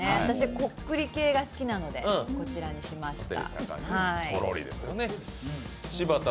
こっくり系が好きなので、こちらにしました。